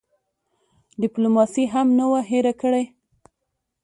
ډیپلوماسي هم نه وه هېره کړې.